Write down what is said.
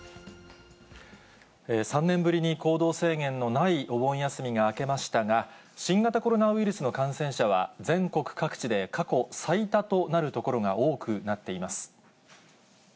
３年ぶりに行動制限のないお盆休みが明けましたが、新型コロナウイルスの感染者は、全国各地で過去最多となる所が多くなっています。